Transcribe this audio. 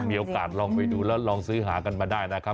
เอามีโอกาสลองมือดูจึงลองผ่านมาได้นะครับ